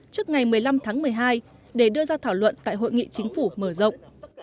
trước ngày một mươi năm tháng một mươi hai để đưa ra thảo luận tại hội nghị chính phủ mở rộng